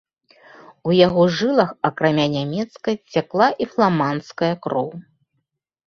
У яго жылах, акрамя нямецкай, цякла і фламандская кроў.